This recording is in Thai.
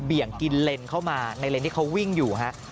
ยงกินเลนเข้ามาในเลนที่เขาวิ่งอยู่ฮะ